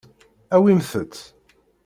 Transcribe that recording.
Awimt-tt.